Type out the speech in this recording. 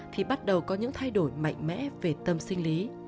thì bắt đầu có những thay đổi mạnh mẽ về tâm sinh lý